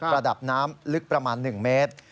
ระดับน้ำลึกประมาณ๑เมตร